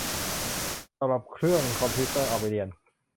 สำหรับเครื่องคอมพิวเตอร์เอาไปเรียน